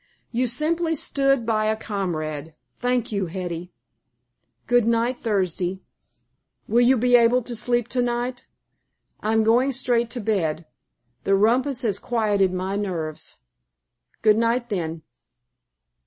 "You simply stood by a comrade. Thank you, Hetty." "Good night, Thursday." "Will you be able to sleep to night?" "I'm going straight to bed. The rumpus has quieted my nerves." "Good night, then."